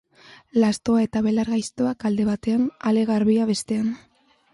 Lastoa eta belar gaiztoak alde batean, ale garbia bestean.